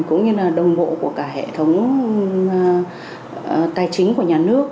cũng như là đồng bộ của cả hệ thống tài chính của nhà nước